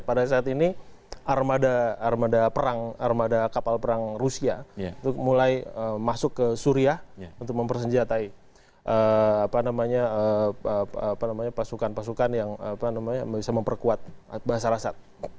pada saat ini armada kapal perang rusia itu mulai masuk ke suriah untuk mempersenjatai pasukan pasukan yang bisa memperkuat basarasat